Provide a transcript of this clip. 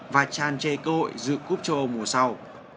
và tràn chê cơ hội giữ cúp châu âu mùa sau